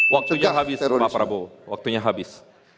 waktunya habis pak prabowo waktunya habis